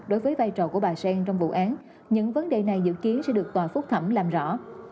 đối với vai trò của bà sen trong vụ án những vấn đề này dự kiến sẽ được tòa phúc thẩm làm rõ